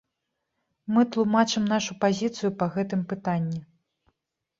Мы тлумачым нашу пазіцыю па гэтым пытанні.